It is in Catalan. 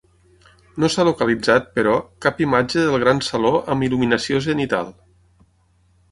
No s'ha localitzat, però, cap imatge del gran saló amb il·luminació zenital.